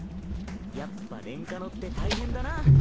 やっぱレンカノって大変だな。